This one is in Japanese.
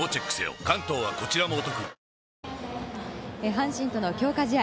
阪神との強化試合。